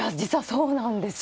そうなんですか。